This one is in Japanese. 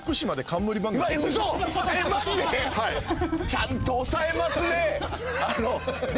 ちゃんと押さえますね。